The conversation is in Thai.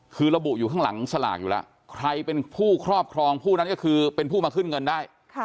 คือระบุอยู่ข้างหลังสลากอยู่แล้วใครเป็นผู้ครอบครองผู้นั้นก็คือเป็นผู้มาขึ้นเงินได้